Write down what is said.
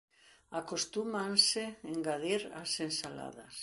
Acostúmanse engadir as ensaladas.